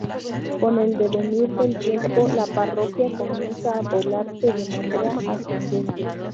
Con el devenir del tiempo, la parroquia comienza a poblarse de manera ascendente.